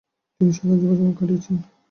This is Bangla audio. তিনি সাধারণ জীবন যাপন কাটিয়েছেন।